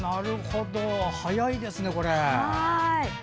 早いですね、これ！